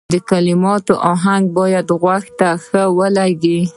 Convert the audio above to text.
د کلماتو اهنګ باید غوږ ته ښه ولګیږي.